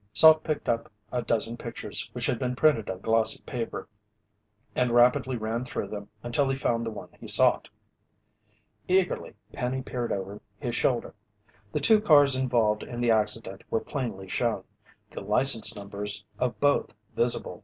Salt picked up a dozen pictures which had been printed on glossy paper and rapidly ran through them until he found the one he sought. Eagerly Penny peered over his shoulder. The two cars involved in the accident were plainly shown, the license numbers of both visible.